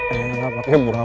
enggak enggak enggak